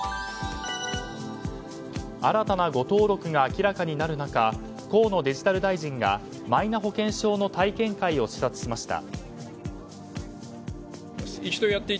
新たな誤登録が明らかになる中河野デジタル大臣がマイナ保険証の体験会を視察しました。